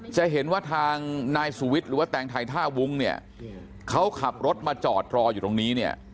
จะเห็นว่าทางนายสุวิทย์หรือว่าแตงไทยท่าวุ้งเนี่ยเขาขับรถมาจอดรออยู่ตรงนี้เนี่ย